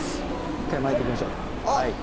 １回巻いていきましょうあっ！